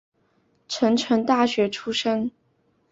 成城大学出身。